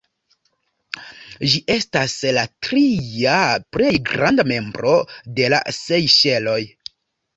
Ĝi estas la tria plej granda membro de la Sejŝeloj.